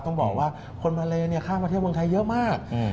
ต้องบอกว่าคนมาเลข้ามมาเที่ยวเมืองไทยเยอะมาก